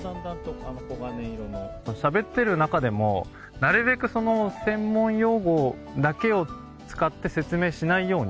しゃべっている中でもなるべく専門用語だけを使って説明しないように。